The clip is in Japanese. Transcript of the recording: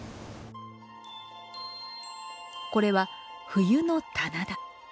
これは冬の棚田。